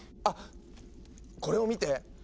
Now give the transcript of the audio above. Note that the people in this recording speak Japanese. あっこれを見て。